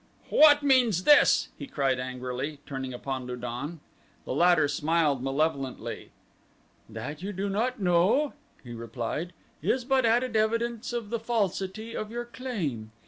"What means this?" he cried angrily, turning upon Lu don. The latter smiled malevolently. "That you do not know," he replied, "is but added evidence of the falsity of your claim.